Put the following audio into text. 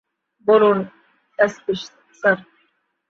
বলুন, SP sir.